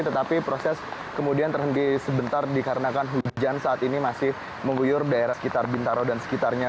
tetapi proses kemudian terhenti sebentar dikarenakan hujan saat ini masih mengguyur daerah sekitar bintaro dan sekitarnya